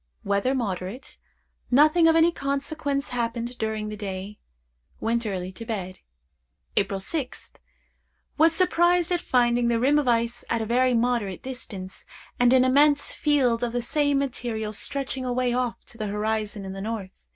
Weather moderate. Nothing of any consequence happened during the day. Went early to bed. "April 6th. Was surprised at finding the rim of ice at a very moderate distance, and an immense field of the same material stretching away off to the horizon in the north.